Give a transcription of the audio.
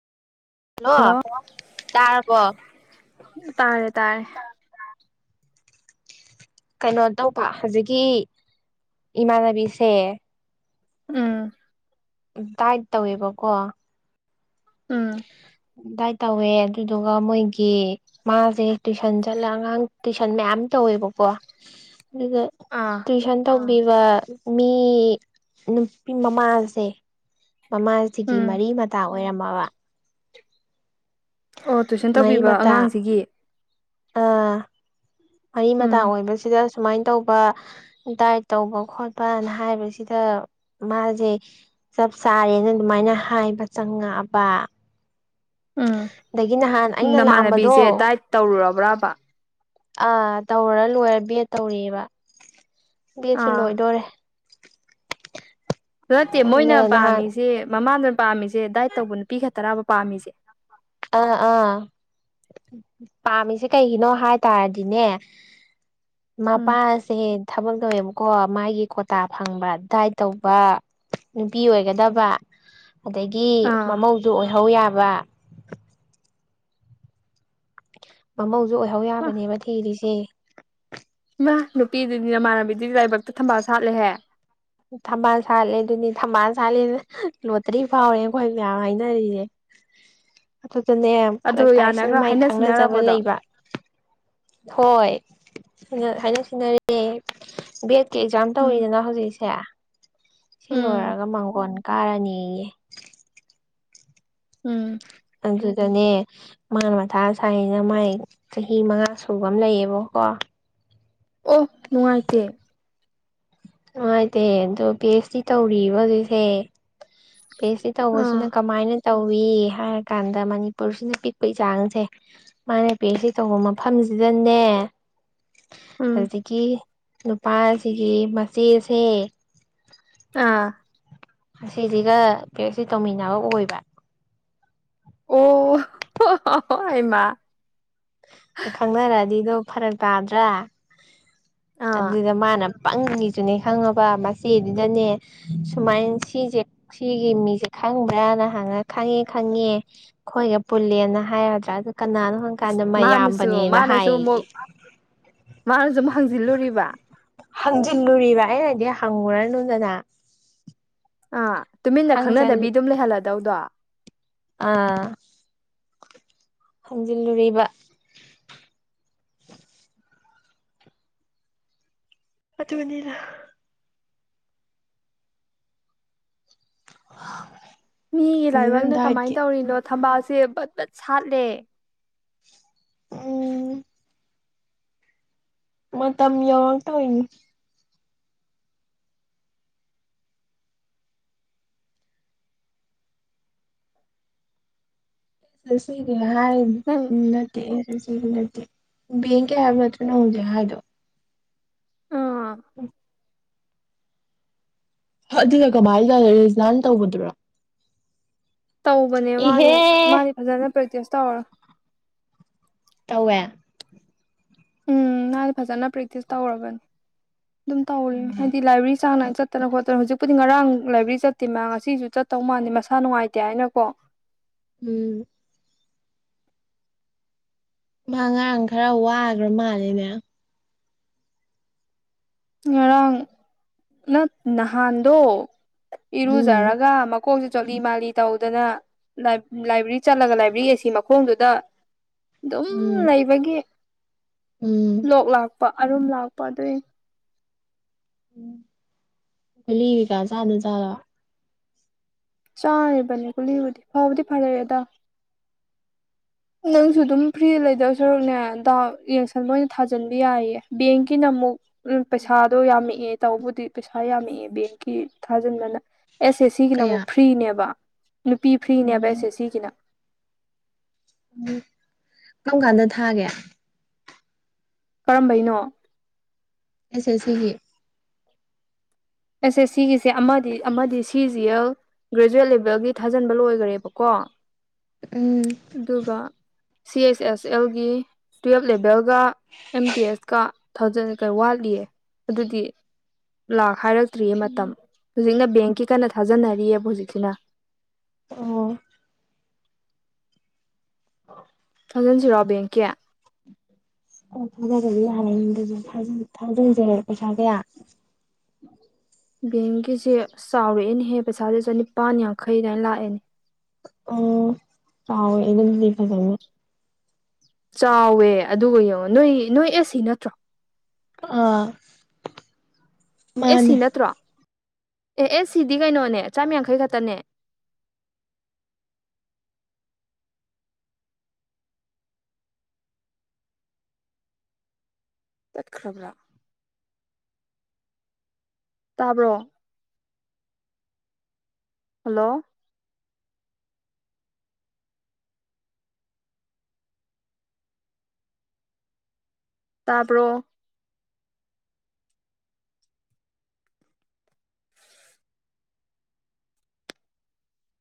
Hello ꯇꯥꯔꯕꯣ ꯇꯥꯔꯦ ꯇꯥꯔꯦ꯫ ꯀꯩꯅꯣ ꯇꯧꯕ ꯍꯧꯖꯤꯛꯀꯤ ꯏꯃꯥꯟꯅꯕꯤꯁꯦ ꯎꯝ꯫ ꯗꯥꯥꯏꯠ ꯇꯧꯋꯦꯕꯀꯣ ꯎꯝ꯫ ꯗꯥꯏꯠ ꯇꯧꯋꯦ ꯑꯗꯨꯗꯨꯒ ꯃꯣꯏꯒꯤ ꯃꯥꯁꯦ ꯇꯨꯏꯁꯟ ꯆꯠꯂ ꯑꯉꯥꯡ ꯇꯨꯏꯁꯟ ꯃꯌꯥꯝ ꯇꯧꯋꯦꯕꯀꯣ ꯑꯗꯨꯒ ꯑꯥ ꯇꯨꯋꯏꯤꯁꯟ ꯇꯧꯕꯤꯕ ꯃꯤ ꯅꯨꯄꯤ ꯃꯃꯥꯁꯦ ꯃꯃꯥꯁꯤꯒꯤ ꯎꯝ ꯃꯔꯤ ꯃꯇꯥ ꯑꯣꯏꯔꯝꯃꯕ ꯑꯣ ꯇꯨꯏꯁꯟ ꯃꯔꯤ ꯇꯧꯕꯤꯕ ꯃꯇꯥ ꯑꯉꯥꯡꯁꯤꯒꯤ ꯑꯥ ꯃꯔꯤ ꯃꯇꯥ ꯎꯝ ꯑꯣꯏꯕꯁꯤꯗ ꯁꯨꯃꯥꯏꯟ ꯇꯧꯕ ꯗꯥꯏꯠ ꯇꯧꯕ ꯈꯣꯠꯄꯅ ꯍꯥꯏꯕꯁꯤꯗ ꯃꯥꯖꯦ ꯆꯞ ꯆꯥꯔꯦꯅ ꯑꯗꯨꯃꯥꯏꯅ ꯍꯥꯏꯕ ꯆꯪꯉꯛꯑꯕ ꯎꯝ ꯑꯗꯒꯤ ꯅꯍꯥꯟ ꯎ ꯑꯩꯅ ꯅꯃꯥꯟꯅꯕꯤꯁꯦ ꯂꯥꯛꯑꯝꯕꯗꯣ ꯗꯥꯏꯠ ꯇꯧꯔꯨꯔꯕ꯭ꯔꯕ ꯑꯥ ꯇꯧꯔ ꯂꯣꯏꯔ ꯕꯤ ꯑꯦꯗ ꯇꯧꯔꯤꯑꯕ ꯕꯤ ꯑꯦꯠꯁꯨ ꯑꯥ ꯂꯣꯏꯗꯣꯔꯦ ꯑꯗꯨ ꯅꯠꯇꯦ ꯃꯣꯏꯅ ꯑꯗ ꯅꯍꯥꯟ ꯄꯥꯝꯃꯤꯁꯦ ꯃꯃꯥꯅ ꯄꯥꯝꯃꯤꯁꯦ ꯗꯥꯏꯠ ꯇꯧꯕ ꯅꯨꯄꯤ ꯈ ꯇꯔꯥꯕ ꯄꯥꯝꯃꯤꯁꯦ ꯑꯥ ꯑꯥ ꯄꯥꯝꯃꯤꯁꯦ ꯀꯩꯒꯤꯅꯣ ꯍꯥꯏꯇꯥꯔꯗꯤꯅꯦ ꯎꯝ ꯃꯄꯥ ꯁꯦ ꯊꯕꯛ ꯇꯧꯋꯦꯕꯀꯣ ꯃꯥꯒꯤ ꯀꯣꯇꯥ ꯐꯪꯕ ꯗꯥꯏꯠ ꯇꯧꯕ ꯅꯨꯄꯤ ꯑꯣꯏꯒꯗꯕ ꯑꯗꯒꯤ ꯑꯥ ꯃꯃꯧꯗꯨ ꯑꯣꯏꯍꯧ ꯌꯥꯕ ꯃꯃꯧꯁꯨ ꯑꯣꯏꯍꯧ ꯌꯥꯕꯅꯦꯕ ꯊꯤꯔꯤꯁꯦ ꯏꯃ ꯅꯨꯄꯤꯗꯨꯅꯤ ꯅꯃꯥꯟꯅꯕꯤꯗꯨꯗꯤ ꯂꯥꯏꯕꯛꯇ ꯊꯝꯕꯥꯜ ꯁꯥꯠꯂꯦꯍꯦ ꯊꯝꯕꯥꯜ ꯁꯥꯠꯂꯦ ꯑꯗꯨꯅꯦ ꯊꯝꯕꯥꯜ ꯁꯥꯠꯂꯦꯅ ꯂꯣꯇ꯭ꯔꯤ ꯐꯥꯎꯔꯦꯅ ꯑꯩꯈꯣꯏ ꯃꯌꯥꯝ ꯍꯥꯏꯅꯔꯤꯁꯦ ꯑꯗꯨꯗꯅꯦ ꯑꯗꯨ ꯐꯔꯛꯇꯥꯏꯁꯤꯅ ꯌꯥꯅꯈ꯭ꯔ ꯃꯥꯏ ꯍꯥꯏꯅ ꯈꯪꯅꯖꯕ ꯁꯤꯡꯅꯔꯕꯗꯣ ꯂꯩꯕ ꯍꯣꯏ ꯍꯥꯏꯅ ꯁꯤꯟꯅꯔꯦ ꯕ ꯑꯦꯛꯖꯥꯝ ꯎꯝ ꯇꯧꯔꯤꯗꯅ ꯍꯧꯖꯤꯛꯁꯦ ꯁꯤ ꯎꯝ ꯂꯣꯏꯔꯒ ꯃꯥꯡꯒꯣꯟ ꯀꯥꯔꯅꯤꯌꯦ ꯎꯝ ꯑꯗꯨꯗꯅꯦ ꯃꯥꯅ ꯃꯊꯥ ꯁꯥꯏꯅ ꯃꯥꯏ ꯆꯍꯤ ꯃꯉꯥ ꯁꯨꯕ ꯑꯃ ꯂꯩꯌꯦꯕꯀꯣ ꯑꯣ ꯅꯨꯡꯉꯥꯏꯇꯦ ꯅꯨꯡꯉꯥꯏꯇꯦ ꯑꯗꯣ ꯄꯤ ꯑꯩꯆ ꯗꯤ ꯇꯧꯔꯤꯕ ꯑꯗꯨꯏꯁꯦ ꯄꯤ ꯑꯩꯆ ꯁꯤ ꯑꯥ ꯇꯧꯕꯁꯤꯅ ꯀꯃꯥꯏꯅ ꯇꯧꯏ ꯍꯥꯏꯔꯀꯥꯟꯗ ꯃꯅꯤꯄꯨꯔꯁꯤꯅ ꯄꯤꯛꯄ ꯏꯥꯡꯁꯦ ꯃꯥꯅ ꯄꯤ ꯑꯦ ꯁꯤ ꯇꯧꯕ ꯃꯐꯝꯁꯤꯗꯅꯦ ꯎꯝ ꯍꯧꯖꯤꯛꯀꯤ ꯅꯨꯄꯥꯁꯤꯒꯤ ꯃꯆꯦꯁꯦ ꯑꯥ ꯑꯁꯤꯁꯤꯒ ꯀꯩꯅꯣꯁꯤ ꯇꯧꯃꯤꯟꯅꯕ ꯑꯣꯏꯕ ꯑꯣ ꯑꯩꯃ ꯈꯪꯅꯔꯛꯑꯗꯤꯗꯣ ꯐꯔꯛ ꯇꯥꯗ꯭ꯔꯥ ꯑꯥ ꯑꯗꯨꯏꯗ ꯃꯥꯅ ꯄꯪꯉꯤꯁꯨꯅꯦ ꯈꯪꯉꯕ ꯃꯆꯦꯗꯨꯗꯅꯦ ꯁꯨꯃꯥꯏꯅ ꯁꯤꯁꯦ ꯁꯤꯒꯤ ꯃꯤꯁꯦ ꯈꯪꯕ꯭ꯔꯥꯅ ꯍꯪꯉ ꯈꯪꯉꯦ ꯈꯪꯉꯦ ꯈꯈꯣꯏꯒ ꯄꯨꯜꯂꯦꯅ ꯍꯥꯏꯒꯗ꯭ꯔꯥ ꯑꯗꯨ ꯀꯅꯥꯅꯣꯪ ꯀꯥꯟ ꯃꯥꯅꯁꯨ ꯑꯃꯌꯥꯝꯕꯅꯦꯅ ꯃꯥꯅꯁꯨ ꯑꯃꯨꯛ ꯍꯥꯏꯌꯦ ꯃꯥꯅꯁꯨ ꯑꯃꯨꯛ ꯍꯪꯖꯤꯜꯂꯨꯔꯤꯕ ꯍꯪꯖꯤꯜꯂꯨꯔꯤꯕ ꯑꯩꯅꯗꯤ ꯍꯪꯉꯨꯔꯅꯨꯗꯅ ꯑꯥ ꯇꯨꯃꯤꯟꯅ ꯈꯪꯅꯗꯕꯤ ꯍꯪꯖꯜ ꯑꯗꯨꯝ ꯂꯩꯍꯜꯂꯗꯧꯗꯣ ꯑꯥꯖꯤ ꯂꯔꯤꯕ ꯑ ꯃꯟꯗ ꯃꯤꯒꯤ ꯑꯗꯨꯗ ꯂꯥꯏꯕꯛꯅ ꯀꯃꯥꯏꯟ ꯗꯥꯏꯠꯀꯤ ꯇꯧꯔꯤꯅꯣ ꯊꯝꯕꯥꯜꯁꯦ ꯕꯠ ꯕꯠ ꯁꯥꯠꯂꯦ ꯎꯝ ꯃꯇꯝ ꯌꯧꯔꯛ ꯇꯧꯏꯅꯤ ꯉꯁꯤꯗꯤ ꯍꯥꯏꯅꯤ ꯅꯪ ꯅꯠ [unintelligible] ꯕꯦꯡꯀꯤ ꯍꯥꯏꯕ ꯅꯠꯇ꯭ꯔꯣ ꯅꯪ ꯍꯧꯖꯤꯛ ꯍꯥꯏꯗꯣ ꯑꯥ [unintelligible] ꯑꯗꯨꯅ ꯀꯃꯥꯏ ꯇꯧ [unintelligible] ꯔꯤꯖꯥꯏꯟ ꯇꯧꯕꯗꯨꯔꯣ ꯇꯧꯕꯅꯦ ꯃꯥꯗꯤ ꯏꯍꯦ ꯃꯥꯗꯤ ꯐꯖꯅ ꯄ꯭ꯔꯦꯛꯇꯤꯁ ꯇꯧꯔ ꯇꯧꯋꯦ ꯎꯝ ꯃꯥꯗꯤ ꯐꯖꯅ ꯄꯔꯦꯛꯇꯤꯁ ꯇꯧꯔꯕꯅꯤ ꯑꯗꯨꯝ ꯇꯧꯏ ꯎꯝ ꯍꯥꯏꯗꯤ ꯂꯥꯏꯕꯔꯥꯔꯤ ꯆꯥꯡ ꯅꯥꯏ ꯆꯠꯇꯅ ꯈꯣꯠꯇꯅ ꯍꯧꯖꯤꯛꯄꯨꯗꯤ ꯉꯔꯥꯡ ꯂꯥꯏꯕ꯭ꯔꯦꯔꯤ ꯆꯠꯇꯦ ꯃꯥ ꯉꯁꯤꯁꯨ ꯆꯠꯇꯧ ꯃꯥꯥꯟꯗꯦ ꯃꯁꯥ ꯅꯨꯡꯉꯥꯏꯇꯦ ꯍꯥꯏꯅꯀꯣ ꯎꯝ ꯃꯥ ꯉꯔꯥꯡ ꯈꯔ ꯋꯥꯒ꯭ꯔ ꯃꯥꯜꯂꯤꯅꯦ ꯉꯔꯥꯡ ꯅꯠ ꯅꯍꯥꯟꯗꯣ ꯎꯝ ꯏꯔꯨꯖꯔꯒ ꯀꫭꯛꯁꯦ ꯆꯣꯠꯂꯤ ꯃꯥꯜꯂꯤ ꯇꯧꯗꯅ ꯂꯥꯏ ꯂꯥꯏꯕ꯭ꯔꯦꯔꯤ ꯆꯠꯂꯒ ꯂꯥꯏꯕ꯭ꯔꯦꯔꯤ ꯑꯦꯁꯤ ꯃꯈꯣꯡꯗꯨꯗ ꯑꯗꯨꯝ ꯎꯝ ꯂꯩꯕꯒꯤ ꯎꯝ ꯂꯣꯛ ꯂꯥꯛꯄ ꯑꯔꯨꯝ ꯂꯥꯛꯄ ꯑꯗꯨꯏ ꯒꯨꯂꯤꯀꯩꯀꯥ ꯆꯥꯗ ꯖꯥꯠꯂꯣ ꯆꯥꯔꯤꯕꯅꯦ ꯒꯨꯂꯤꯕꯨꯨꯗꯤ ꯐꯕꯨꯗꯤ ꯐꯔꯛ ꯑꯦꯗ ꯅꯪꯁꯨ ꯑꯗꯨꯝ ꯐ꯭ꯔꯤꯗ ꯂꯩꯗꯧ ꯁꯔꯨꯛꯅꯦ ꯗꯥꯎ ꯌꯦꯡꯁꯟꯕ ꯑꯣꯏꯅ ꯊꯥꯖꯤꯟꯕ ꯌꯥꯏꯌꯦ ꯕꯦꯡꯀꯤꯅ ꯑꯃꯨꯛ ꯎꯝ ꯄꯩꯁꯥꯗꯣ ꯌꯥꯝꯃꯛꯑꯦ ꯇꯧꯕꯨꯗꯤ ꯄꯩꯁꯥ ꯌꯥꯝꯃꯛꯑꯦ ꯕꯦꯡꯀꯤ ꯊꯥꯖꯤꯟꯕꯅ ꯑꯦꯁ ꯑꯦꯁ ꯁꯤꯒꯤꯅ ꯀꯌꯥ ꯑꯃꯨꯛ ꯐ꯭ꯔꯤꯅꯦꯕ ꯅꯨꯄꯤ ꯐ꯭ꯔꯤꯅꯦꯕ ꯎꯝ ꯑꯦꯁ ꯑꯦꯁ ꯁꯤꯒꯤꯅ ꯎꯝ ꯀꯔꯝ ꯀꯥꯟꯗ ꯊꯥꯒꯦ ꯀꯔꯝꯕꯩꯅꯣ ꯑꯦꯁ ꯑꯦꯁ ꯁꯤꯒꯤ ꯑꯦꯁ ꯑꯦꯁ ꯁꯤꯒꯤꯁꯦ ꯑꯃꯗꯤ ꯑꯃꯗꯤ ꯁꯤꯖꯤ ꯑꯦꯜ ꯒ꯭ꯔꯦꯖꯨꯋꯦꯠ ꯂꯦꯕꯦꯜꯒꯤ ꯊꯥꯖꯟꯕ ꯂꯣꯏꯒ꯭ꯔꯦꯕꯀꯣ ꯎꯝ ꯑꯗꯨꯒ ꯁꯤ ꯑꯦꯁ ꯑꯦꯁ ꯑꯦꯜꯒꯤ ꯇꯨꯌꯦꯜꯞ ꯂꯦꯚꯦꯜꯒ ꯑꯦꯝ ꯇꯤ ꯑꯦꯐꯀ ꯊꯥꯖꯟ ꯋꯥꯠꯂꯤꯌꯦ ꯑꯗꯨꯗꯤ ꯂꯥꯛ ꯍꯥꯏꯔꯛꯇ꯭ꯔꯤꯌꯦ ꯃꯇꯝ ꯍꯧꯖꯤꯛꯅ ꯕꯦꯡꯀꯤ ꯀꯟꯅ ꯊꯥꯖꯟꯅꯔꯤꯕ ꯍꯧꯖꯤꯛꯁꯤꯅ ꯑꯣ [unintelligible] ꯊꯥꯖꯟꯁꯤꯔꯣ ꯕꯦꯡꯀꯤ ꯑꯣ [unintelligible] ꯊꯥꯖꯟꯖꯦ ꯄꯩꯁꯥ ꯀꯌꯥ ꯕꯦꯡꯀꯤꯖꯦ ꯆꯥꯎꯔꯛꯑꯦꯅꯦꯍꯦ ꯄꯩꯁꯥꯖꯦ ꯆꯅꯤꯄꯥꯟ ꯌꯥꯡꯈꯩ ꯑꯗꯥꯏ ꯂꯥꯛꯑꯦ ꯑꯣ ꯆꯥꯎꯋꯦ ꯑꯗꯨꯗꯤ ꯐꯖꯅ ꯆꯥꯎꯋꯦ ꯑꯗꯨꯒ ꯌꯦꯡꯉꯣ ꯅꯣꯏ ꯅꯣꯏ ꯑꯦꯁ ꯁꯤ ꯅꯠꯇ꯭ꯔꯣ ꯑꯥ ꯑꯦꯁ ꯁꯤ ꯃꯥꯅꯦ ꯅꯠꯇ꯭ꯔꯣ ꯑꯦ ꯑꯦꯁ ꯁꯤꯗꯤ ꯀꯩꯅꯣꯅꯦ ꯆꯥꯝ ꯌꯥꯡꯈꯩ ꯈꯛꯇꯅꯦ ꯇꯠꯈ꯭ꯔꯕ꯭ꯔꯥ ꯇꯥꯕ꯭ꯔꯣ ꯍꯜꯂꯣ ꯇꯥꯕ꯭ꯔꫭ